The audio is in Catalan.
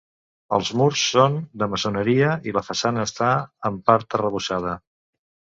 Els murs són de maçoneria, i la façana està en part arrebossada.